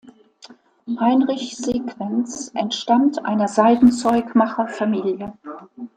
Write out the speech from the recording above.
Heinrich Sequenz entstammt einer Seidenzeugmacher-Familie.